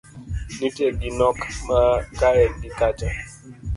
Nitie gi nok ma kae gi kacha